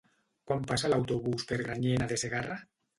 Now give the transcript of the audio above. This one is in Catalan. Quan passa l'autobús per Granyena de Segarra?